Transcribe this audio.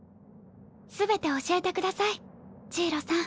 全て教えてくださいジイロさん。